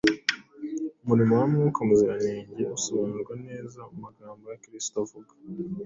Umurimo wa Mwuka Muziranenge usobanurwa neza mu magambo ya Kristo avuga